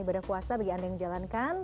ibadah puasa bagi anda yang menjalankan